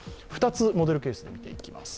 ２つ、モデルケースで見ていきます。